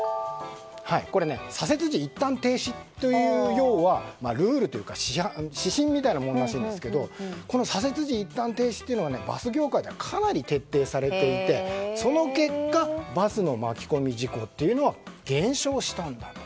左折時、一旦停止というのはルールというか指針みたいなものらしいけど左折時、一旦停止はバス業界ではかなり徹底されていてその結果、バスの巻き込み事故は減少したんだと。